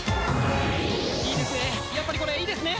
いいですね！